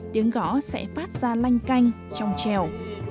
tiếng gõ sẽ phát ra lanh canh trong trèo